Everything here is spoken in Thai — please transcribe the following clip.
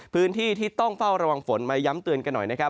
พื้นที่ที่ต้องเฝ้าระวังฝนมาย้ำเตือนกันหน่อยนะครับ